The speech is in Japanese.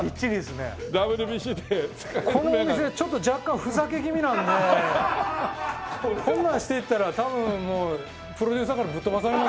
このお店ちょっと若干ふざけ気味なんでこんなんしていったら多分もうプロデューサーからぶっ飛ばされますよね。